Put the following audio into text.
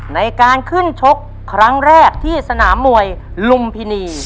ในการขึ้นชกครั้งแรกที่สนามมวยลุมพินี